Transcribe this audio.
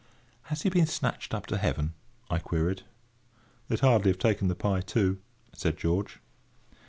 "Has he been snatched up to heaven?" I queried. "They'd hardly have taken the pie too," said George.